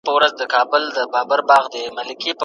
سفیران څنګه د ښځو حقونه خوندي ساتي؟